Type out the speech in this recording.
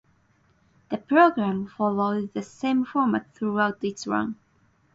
The programme follows the same format throughout its run.